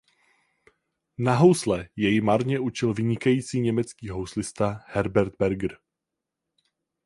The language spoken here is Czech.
Na housle jej marně učil vynikající německý houslista Herbert Berger.